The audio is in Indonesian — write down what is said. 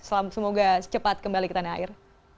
semoga cepat kembali ke tanah air